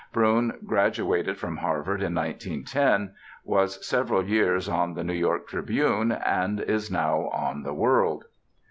Broun graduated from Harvard in 1910; was several years on the New York Tribune, and is now on the World.